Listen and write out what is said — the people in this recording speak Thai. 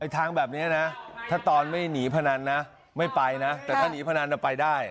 ทางแบบนี้นะถ้าตอนไม่หนีพนันนะไม่ไปนะแต่ถ้าหนีพนันไปได้